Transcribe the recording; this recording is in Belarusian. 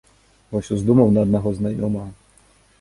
Вось уздумаў на аднаго знаёмага.